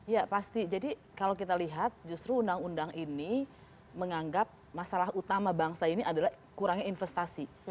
ya pasti jadi kalau kita lihat justru undang undang ini menganggap masalah utama bangsa ini adalah kurangnya investasi